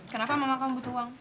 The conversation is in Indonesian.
kenapa mama kamu butuh uang